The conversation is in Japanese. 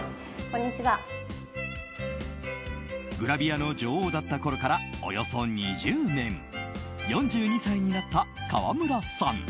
グラビアの女王だったころからおよそ２０年４２歳になった川村さん。